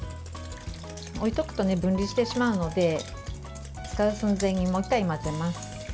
置いておくと分離してしまうので使う寸前にもう１回、混ぜます。